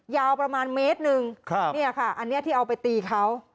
ยาวประมาณเมตรหนึ่งอันนี้ที่เอาไปตีเขา